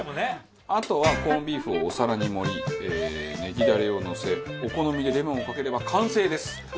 あとはコンビーフをお皿に盛りネギダレをのせお好みでレモンをかければ完成です。